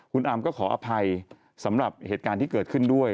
คุณอาร์มก็ขออภัยสำหรับเหตุการณ์ที่เกิดขึ้นด้วย